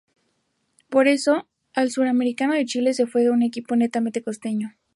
Por eso, al Suramericano de Chile se fue con un equipo netamente costeño.